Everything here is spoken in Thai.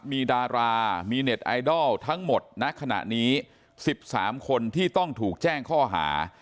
มีดารามีเน็ตไอดอลทั้งหมดณขณะนี้๑๓คนที่ต้องถูกแจ้งข้อหา